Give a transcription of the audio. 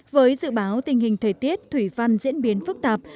với dự báo tình hình thời tiết thủy văn diễn biến phức tạp